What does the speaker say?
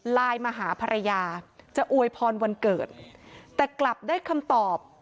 ไลน์มาหาภรรยาจะอวยพรวันเกิดแต่กลับได้คำตอบ